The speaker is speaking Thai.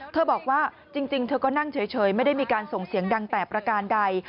บอกว่าจริงเธอก็นั่งเฉยไม่ได้มีการส่งเสียงดังแต่ประการใด